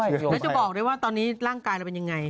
แล้วจะบอกได้ว่าตอนนี้ร่างกายเราเป็นยังไง